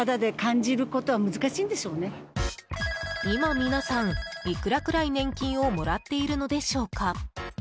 今、皆さん、いくらくらい年金をもらっているのでしょうか。